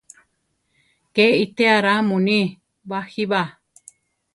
¡Ké itéa ra muní ! baʼjí ba!